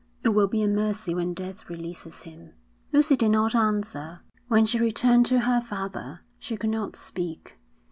It will be a mercy when death releases him.' Lucy did not answer. When she returned to her father, she could not speak.